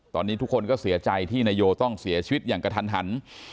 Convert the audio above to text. ตอนนี้ทุกคนก็เสียใจที่นายโยต้องเสียชีวิตอย่างกระทันหัน